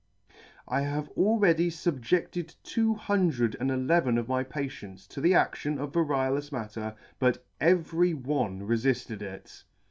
" I have already fubjedted two hundred and eleven of my patients to the adtion of variolous matter, but every one re filled it.